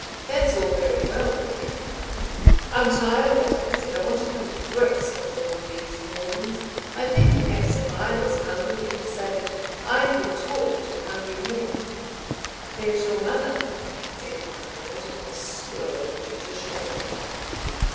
"That's all very well," began Parload. "I'm tired of it," I said. "I want to come to grips with all these Rawdons. I think perhaps if I was hungry and savage I could talk to hungry men—" "There's your mother," said Parload, in his slow judicial way.